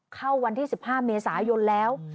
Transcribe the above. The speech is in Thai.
เข้าวันที่๑๕เมษายนแล้ว